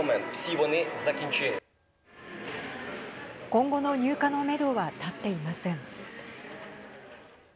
今後の入荷のめどは立っていません。